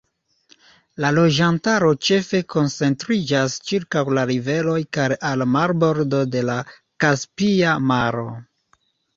La loĝantaro ĉefe koncentriĝas ĉirkaŭ la riveroj kaj al marbordo de la Kaspia Maro.